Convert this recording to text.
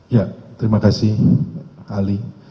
ya terima kasih ali